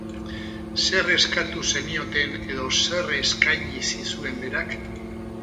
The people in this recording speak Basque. Zer eskatu zenioten edo zer eskaini zizuen berak?